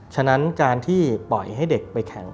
ฉะนั้นการที่ปล่อยให้เด็กไปแข่ง